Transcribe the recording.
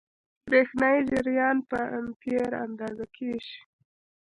برېښنايي جریان په امپیر اندازه کېږي.